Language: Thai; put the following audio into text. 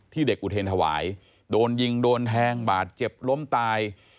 เด็กอุเทรนธวายโดนยิงโดนแทงบาดเจ็บล้มตาย